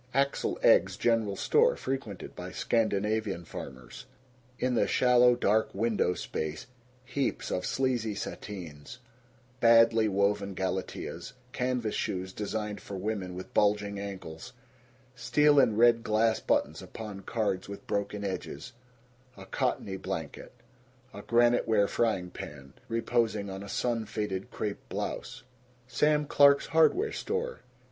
Axel Egge's General Store, frequented by Scandinavian farmers. In the shallow dark window space heaps of sleazy sateens, badly woven galateas, canvas shoes designed for women with bulging ankles, steel and red glass buttons upon cards with broken edges, a cottony blanket, a granite ware frying pan reposing on a sun faded crepe blouse. Sam Clark's Hardware Store.